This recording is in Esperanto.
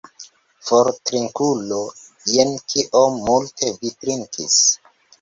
For, drinkulo, jen kiom multe vi drinkis!